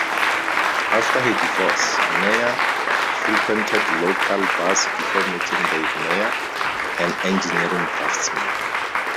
After her divorce, Meyer frequented local bars before meeting Dave Meyer, an engineering draftsman.